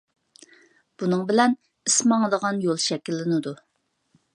بۇنىڭ بىلەن ئىس ماڭىدىغان يول شەكىللىنىدۇ.